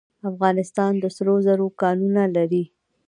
افغانستان د سرو زرو کانونه لري